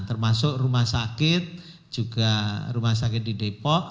termasuk rumah sakit juga rumah sakit di depok